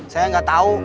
saya gak tahu